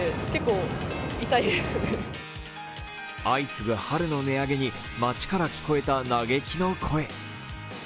相次ぐ春の値上げに街から聞こえた嘆きの声。